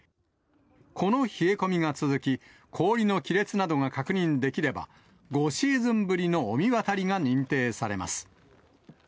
この冷え込みが続き、氷の亀裂などが確認できれば、５シーズンぶりの御神渡りが認定されます。